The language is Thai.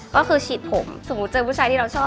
ก็คือฉีดผมสมมุติเจอผู้ชายที่เราชอบ